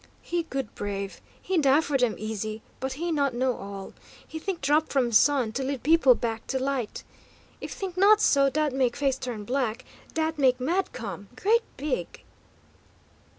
"He good brave. He die for dem, easy! But he not know all. He think drop from sun, to lead people back to light. If think not so, dat make face turn black; dat make mad come great big!"